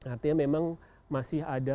artinya memang masih ada